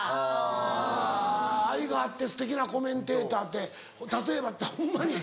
あぁ愛があってすてきなコメンテーターって例えば？ホンマに。